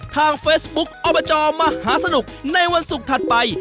ทางเฟซบุ๊คอบจมหาสนุกในวันศุกร์ถัดไป